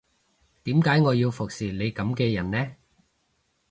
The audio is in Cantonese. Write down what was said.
點解我要服侍你噉嘅人呢